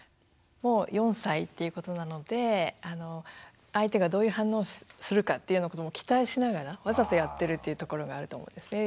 もう４歳っていうことなので相手がどういう反応をするかっていうようなことも期待しながらわざとやってるっていうところがあると思うんですね。